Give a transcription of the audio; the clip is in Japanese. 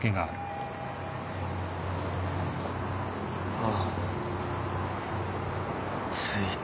あっ着いた。